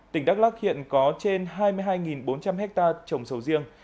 tỉnh đắk lắc hiện có trên hai mươi hai bốn trăm linh hectare trồng sầu riêng